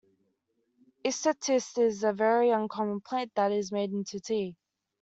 Isatis is a very uncommon plant that is made into tea.